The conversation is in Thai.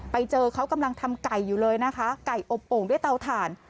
ไปเจอเขากำลังทำไก่อยู่เลยนะคะไก่อบโอ่งด้วยเตาถ่าน